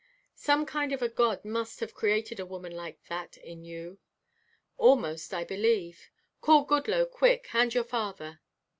"Some kind of a God must have created a woman like that in you. Almost I believe. Call Goodloe quick, and your father."